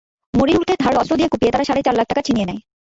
মরিরুলকে ধারালো অস্ত্র দিয়ে কুপিয়ে তারা সাড়ে চার লাখ টাকা ছিনিয়ে নেয়।